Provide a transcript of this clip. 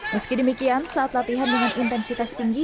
meski demikian saat latihan dengan intensitas tinggi